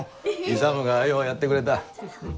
勇がようやってくれた。